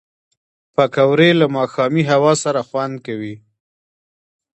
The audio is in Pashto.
پکورې له ماښامي هوا سره خوند کوي